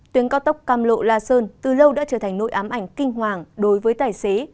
tuyến cao tốc cam lộ la sơn từ lâu đã trở thành nỗi ám ảnh kinh hoàng đối với tài xế